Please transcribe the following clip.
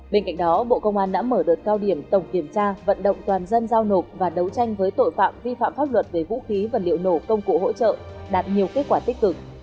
bên cạnh đó bộ công an đã mở đợt cao điểm tổng kiểm tra vận động toàn dân giao nộp và đấu tranh với tội phạm vi phạm pháp luật về vũ khí vật liệu nổ công cụ hỗ trợ đạt nhiều kết quả tích cực